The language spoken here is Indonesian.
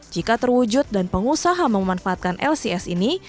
jika terwujud dan pengusaha memanfaatkan lcs ini